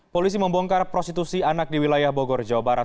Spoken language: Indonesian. polisi membongkar prostitusi anak di wilayah bogor jawa barat